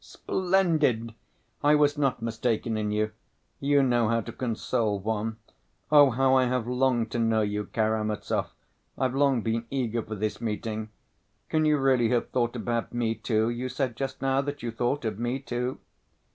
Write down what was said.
"Splendid! I was not mistaken in you. You know how to console one. Oh, how I have longed to know you, Karamazov! I've long been eager for this meeting. Can you really have thought about me, too? You said just now that you thought of me, too?"